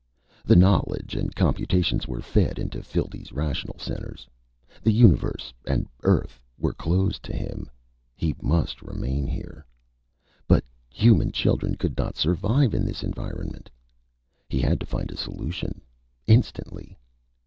The knowledge and computations were fed in Phildee's rational centers. The Universe and Earth were closed to him. He must remain here. But human children could not survive in this environment. He had to find a solution instantly.